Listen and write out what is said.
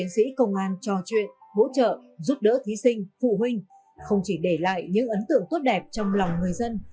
sĩ công an trò chuyện hỗ trợ giúp đỡ thí sinh phụ huynh không chỉ để lại những ấn tượng tốt đẹp trong lòng người dân